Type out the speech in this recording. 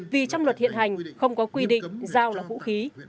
vì trong luật hiện hành không có quy định dao là vũ khí